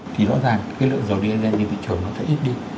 thì rõ ràng cái lượng dầu diesel trên thị trường nó sẽ ít đi